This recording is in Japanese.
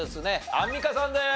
アンミカさんです。